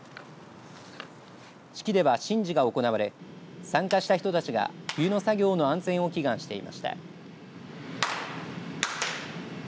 式では神事が行われ参加した人たちが冬の作業の安全を祈願していました。